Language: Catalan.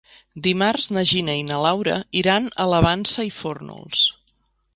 Dimarts na Gina i na Laura iran a la Vansa i Fórnols.